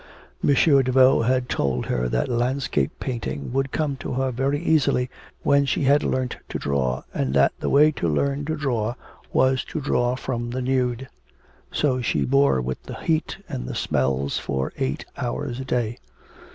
M. Daveau had told her that landscape painting would come to her very easily when she had learnt to draw, and that the way to learn to draw was to draw from the nude. So she bore with the heat and the smells for eight hours a day.